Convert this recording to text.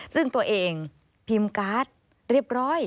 ซึ่งตัวเองพิมพ์การ์ดเรียบร้อย